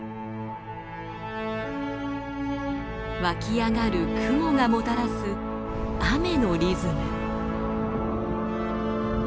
湧き上がる雲がもたらす雨のリズム。